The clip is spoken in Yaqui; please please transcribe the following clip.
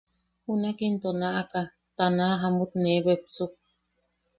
Junak into naʼaka, ta naaʼa jamut nee beksuk.